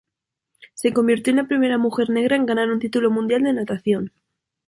Se convirtió en la primera mujer negra en ganar un título mundial de natación.